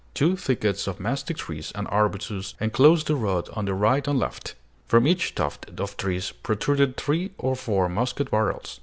Two thickets of mastic trees and arbutus enclosed the road on the right and left. From each tuft of trees protruded three or four musket barrels.